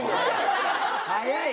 早い！